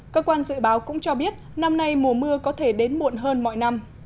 cơ quan dự báo cũng cho biết năm nay mùa mưa có thể đến muộn hơn mọi năm